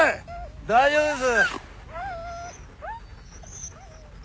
大丈夫です